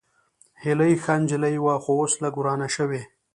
هېلۍ ښه نجلۍ وه، خو اوس لږ ورانه شوې